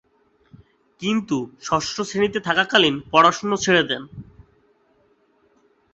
কিন্তু ষষ্ঠ শ্রেণিতে থাকাকালীন পড়াশোনা ছেড়ে দেন।